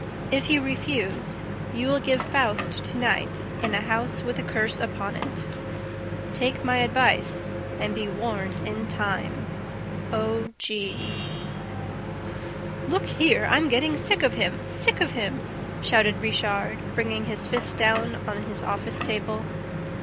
If you refuse, you will give FAUST to night in a house with a curse upon it. Take my advice and be warned in time. O. G. "Look here, I'm getting sick of him, sick of him!" shouted Richard, bringing his fists down on his office table.